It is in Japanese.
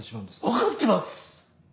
分かってます！